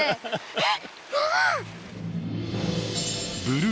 えっ。